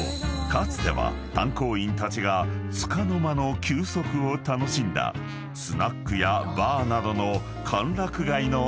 かつては炭鉱員たちがつかの間の休息を楽しんだスナックやバーなどの］